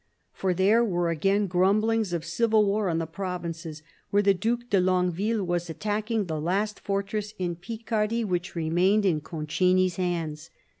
For there were again grumblings of civil war in the provinces, where the Due de Longueville was attacking the last fortress in Picardy which remained in Concini's hands.